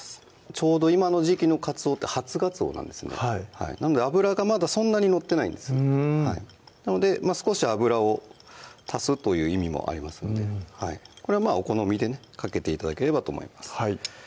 ちょうど今の時季のかつおって初がつおなんですねなので脂がまだそんなに乗ってないんですなので少し油を足すという意味もありますのでこれはまぁお好みでねかけて頂ければと思います